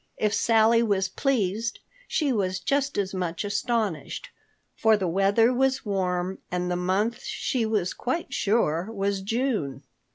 If Sally was pleased, she was just as much astonished, for the weather was warm and the month she was quite sure was June.